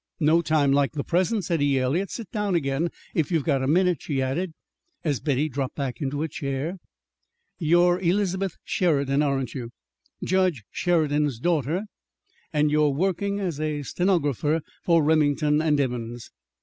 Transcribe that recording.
"No time like the present," said E. Eliot. "Sit down again, if you've got a minute." She added, as Betty dropped back into her chair, "You're Elizabeth Sheridan, aren't you? Judge Sheridan's daughter? And you're working as a stenographer for Remington and Evans?"